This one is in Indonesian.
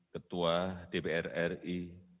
ketua dpr ri